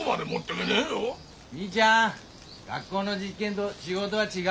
みーちゃん学校の実験ど仕事は違うがらね。